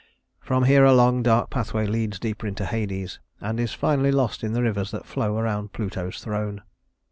From here a long dark pathway leads deeper into Hades, and is finally lost in the rivers that flow around Pluto's throne.